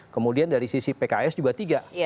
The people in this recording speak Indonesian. kemudian dari sisi pks juga tiga